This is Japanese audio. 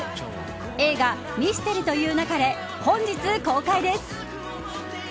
映画、ミステリと言う勿れ本日公開です。